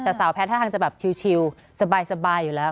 แต่สาวแพทย์ท่าทางจะแบบชิลสบายอยู่แล้ว